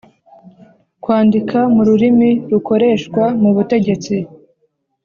kwandika mu rurimi rukoreshwa mu butegetsi